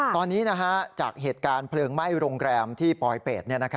ตอนนี้จากเหตุการณ์เพลิงไหม้โรงแรมที่ปลอยเป็ด